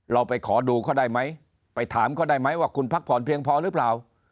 เราไปขอดูเขาได้ไหมไปถามเขาได้ไหมว่าคุณพักผ่อนเพียงพอหรือเปล่า